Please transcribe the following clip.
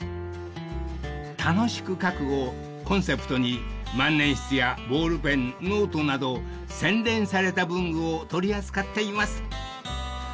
［「楽しく書く」をコンセプトに万年筆やボールペンノートなど洗練された文具を取り扱っています］